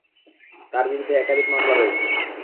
তার বিরুদ্ধে একাধিক মামলা রয়েছে।